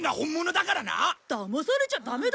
だまされちゃダメだ。